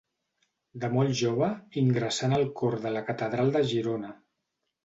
De molt jove ingressà en el cor de la catedral de Girona.